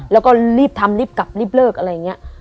แล้วก็รีบทำรีบกลับรีบเลิกอะไรอย่างนี้